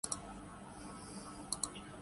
جغرافیہ میں دو مکتب فکر ہیں